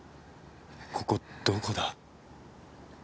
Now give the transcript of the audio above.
ここどこだ？